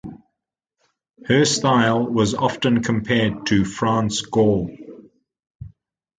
Her style was often compared to France Gall.